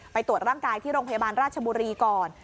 ตรวจร่างกายที่โรงพยาบาลราชบุรีก่อน